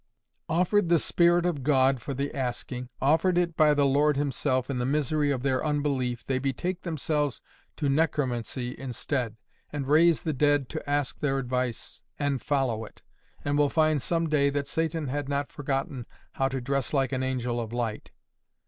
Offered the Spirit of God for the asking, offered it by the Lord himself, in the misery of their unbelief they betake themselves to necromancy instead, and raise the dead to ask their advice, AND FOLLOW IT, and will find some day that Satan had not forgotten how to dress like an angel of light.